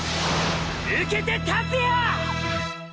受けて立つよ！！